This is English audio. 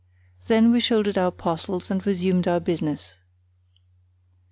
Then we shouldered our parcels and resumed our business.